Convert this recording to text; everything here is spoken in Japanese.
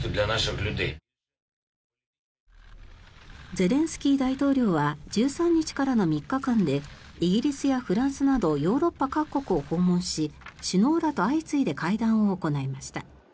ゼレンスキー大統領は１３日からの３日間でイギリスやフランスなどヨーロッパ各国を訪問し首脳らと相次いで会談を行いました。